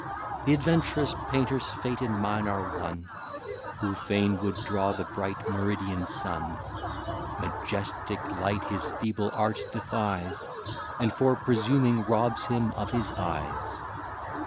The advent'rous painter's fate and mine are one Who fain would draw the bright meridian sun; Majestic light his feeble art defies, And for presuming, robs him of his eyes.